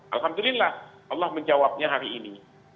alhamdulillah allah menjawabnya hari ini